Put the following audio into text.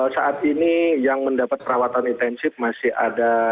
saat ini yang mendapat perawatan intensif masih berada di rumah